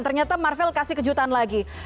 ternyata marvel kasih kejutan lagi